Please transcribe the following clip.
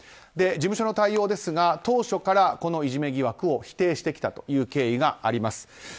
事務所の対応ですが、当初からいじめ疑惑を否定してきたという経緯があります。